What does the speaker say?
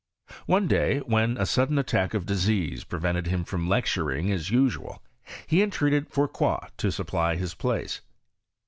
One day, when a sudden attack of disease prevented him from lecturing as usual, lie entreated Fourcroy to supply his place.